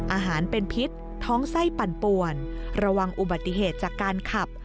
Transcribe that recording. อาหารเป็นพิษท้องไส้ปั่นป่วนระวังอุบัติเหตุจากการขับ